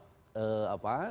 terutama sistem kepartaiannya